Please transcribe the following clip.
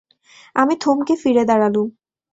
আমি থমকে ফিরে দাঁড়ালুম।